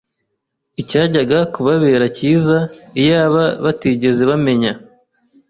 Icyajyaga kubabera cyiza, iyaba batigeze bamenya